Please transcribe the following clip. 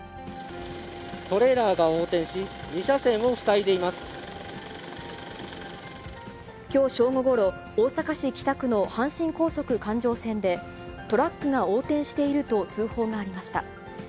トレーラーが横転し、２車線きょう正午ごろ、大阪市北区の阪神高速環状線で、トラックが横転していると通報がありました。